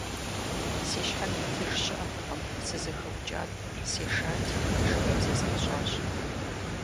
Си щхьэм итыж щыӀэтэкъым, сызэхэукӀат, сешати, жыгым зезгъэщӀащ.